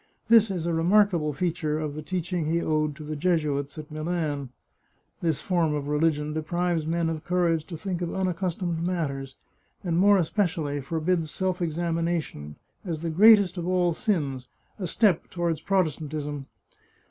This is a remarkable feature of the teach ing he owed to the Jesuits at Milan. This form of religion deprives men of courage to think of unaccustomed matters, and more especially forbids self examination, as the greatest of all sins — a step toward Protestantism.